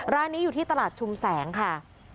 ร้านนี้อยู่ที่ตลาดชุมแสงค่ะ